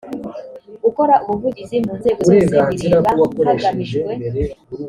gukora ubuvugizi mu nzego zose bireba hagamijwe